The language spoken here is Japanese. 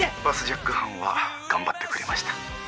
バスジャック犯は頑張ってくれました。